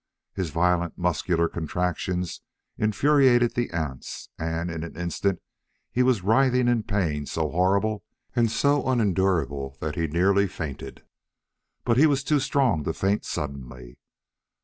His violent muscular contractions infuriated the ants, and in an instant he was writhing in pain so horrible and so unendurable that he nearly fainted. But he was too strong to faint suddenly.